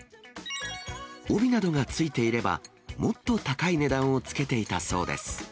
帯などが付いていれば、もっと高い値段をつけていたそうです。